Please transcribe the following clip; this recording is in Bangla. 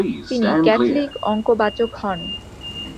তিনি ক্যাথলিক অঙ্কবাচক হন।